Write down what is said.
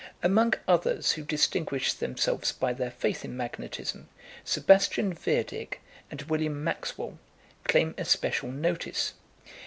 Among others who distinguished themselves by their faith in magnetism, Sebastian Wirdig and William Maxwell claim especial notice.